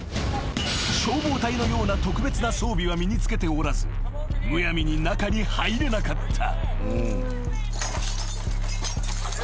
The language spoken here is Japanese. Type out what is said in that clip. ［消防隊のような特別な装備は身に着けておらずむやみに中に入れなかった］